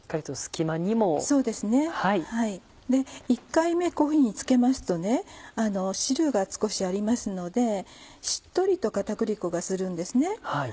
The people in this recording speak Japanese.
１回目こういうふうに付けますと汁が少しありますのでしっとりと片栗粉がするんですね。